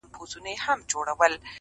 دا جلادان ستا له زاریو سره کار نه لري-